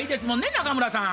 中村さん。